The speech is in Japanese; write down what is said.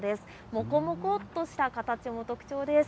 もこもこっとした形が特徴です。